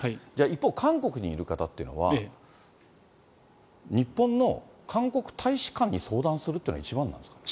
一方、韓国にいる方っていうのは、日本の韓国大使館に相談するというのが一番なんですか。